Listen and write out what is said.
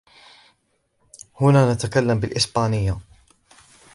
هنا نتكلم بالإسبانية.